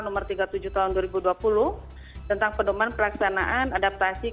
dengan pendekatan yang telah dilaksanakan oleh kepala dinas kebudayaan dan pariwisata kota bandung